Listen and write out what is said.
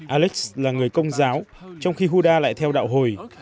alex là người công giáo trong khi hoda lại theo đạo hồi